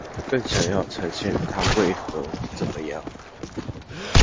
更想要呈現他為何這麼樣